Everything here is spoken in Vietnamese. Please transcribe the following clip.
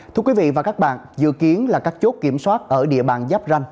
thưa quý vị và các bạn dự kiến là các chốt kiểm soát ở địa bàn giáp ranh